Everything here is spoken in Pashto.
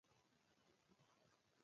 لکه سالمونیلا ټایفي.